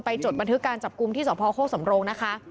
จดบันทึกการจับกลุ่มที่สพโคกสำโรงนะคะ